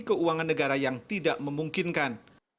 keuangan negara yang tidak memungkinkan